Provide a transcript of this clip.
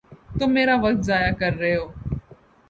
تم میرا وقت ضائع کر رہے ہو